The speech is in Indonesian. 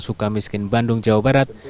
suka miskin bandung jawa barat